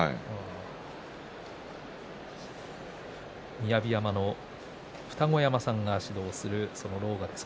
雅山の二子山さんが指導する狼雅です。